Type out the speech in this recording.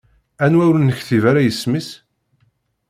Anwa ur nektib ara isem-is?